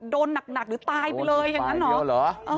โดนหนักหรือตายไปเลยอย่างนั้นเหรอ